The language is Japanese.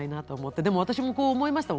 でも私も思いました。